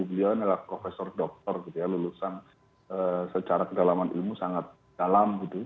beliau adalah profesor dokter gitu ya lulusan secara kedalaman ilmu sangat dalam gitu